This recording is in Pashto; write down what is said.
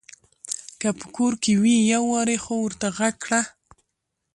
که په کور کې وي يوارې خو ورته غږ کړه !